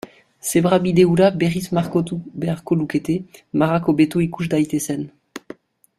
Zebrabide hura berriz margotu beharko lukete marrak hobeto ikus daitezen.